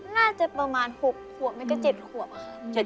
น่าจะประมาณ๖ขวบไม่ก็๗ขวบค่ะ